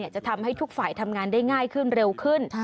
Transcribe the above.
จะทำให้ทุกฝ่ายทำงานได้ง่ายขึ้นเร็วขึ้น